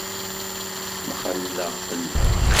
Mxelleɣ fell-ak.